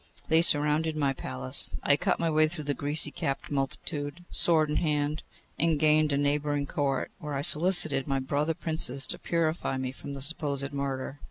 They surrounded my palace: I cut my way through the greasy capped multitude, sword in hand, and gained a neighbouring Court, where I solicited my brother princes to purify me from the supposed murder.